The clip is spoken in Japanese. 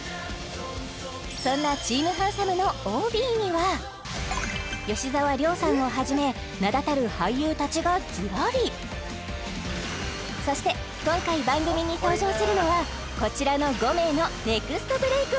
そんな吉沢亮さんをはじめ名だたる俳優たちがずらりそして今回番組に登場するのはこちらの５名のネクストブレイク